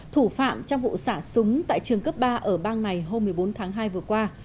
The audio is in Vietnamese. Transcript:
thủ phạm trong vụ xả súng tại trường cấp ba ở bang này hôm một mươi bốn tháng hai vừa qua